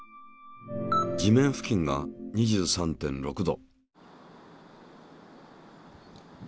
地面付近が２３．６℃。